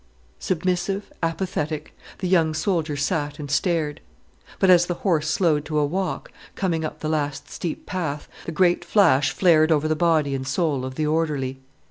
Submissive, apathetic, the young soldier sat and stared. But as the horse slowed to a walk, coming up the last steep path, the great flash flared over the body and soul of the orderly.